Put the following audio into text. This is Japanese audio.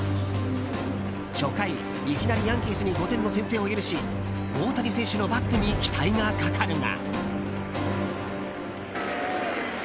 初回いきなりヤンキースに５点の先制を許し大谷選手のバットに期待がかかるが。